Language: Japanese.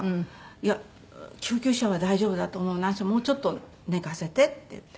「いや救急車は大丈夫だと思う」「なんせもうちょっと寝かせて」って言って。